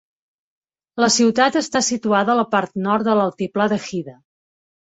La ciutat està situada a la part nord de l'altiplà de Hida.